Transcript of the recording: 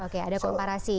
oke ada komparasi